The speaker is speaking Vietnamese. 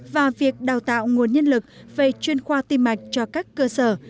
và việc đào tạo nguồn nhân lực về chuyên khoa tim mạch cho các cơ sở